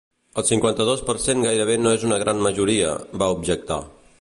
El cinquanta-dos per cent gairebé no és una gran majoria, va objectar